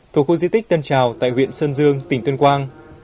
thuộc khu di tích tân trào tại huyện sơn dương tỉnh tuyên quang